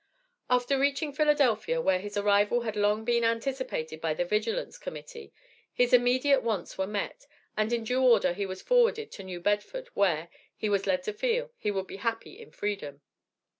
After reaching Philadelphia, where his arrival had long been anticipated by the Vigilance Committee, his immediate wants were met, and in due order he was forwarded to New Bedford, where, he was led to feel, he would be happy in freedom.